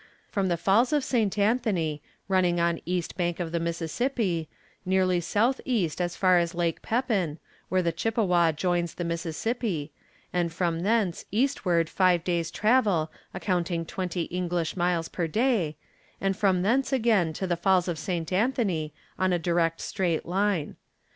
From the Falls of St. Anthony, running on east bank of the Mississippi, nearly southeast as far as Lake Pepin, where the Chippewa joins the Mississippi, and from thence eastward five days' travel accounting twenty English miles per day, and from thence again to the Falls of St. Anthony on a direct straight line.